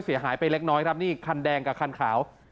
เสียหายไปเล็กน้อยครับนี่คันแดงกับคันขาว